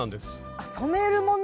あ染めるもの。